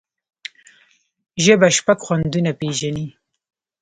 ژبه شپږ خوندونه پېژني.